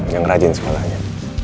yang rajin sekolahnya